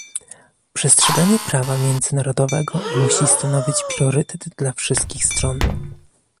Przestrzeganie prawa międzynarodowego musi stanowić priorytet dla wszystkich stron